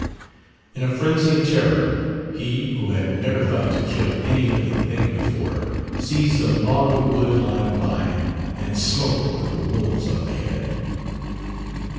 In a frenzy of terror, he (who had never thought to kill any living thing before) seized a log of wood lying by and smote one of the wolves on the head.